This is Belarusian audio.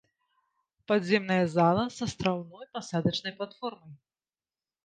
Падземная зала з астраўной пасадачнай платформай.